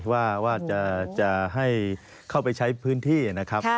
ว่าจะให้เข้าไปใช้พื้นที่นะครับ